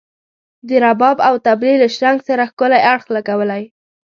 د رباب او طبلي له شرنګ سره ښکلی اړخ لګولی.